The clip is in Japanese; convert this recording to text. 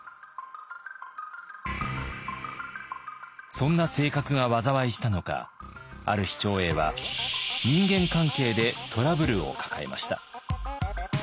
そんな性格が災いしたのかある日長英は人間関係でトラブルを抱えました。